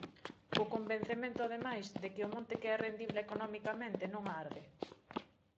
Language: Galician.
Co convencemento, ademais, de que o monte que é rendible economicamente non arde.